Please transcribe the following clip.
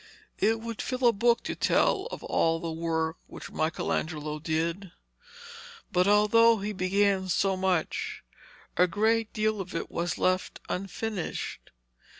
It would fill a book to tell of all the work which Michelangelo did; but although he began so much, a great deal of it was left unfinished.